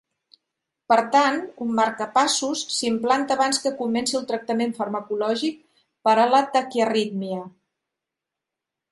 Per tant, un marcapassos se implanta abans que comenci el tractament farmacològic per a la taquiarrítmia.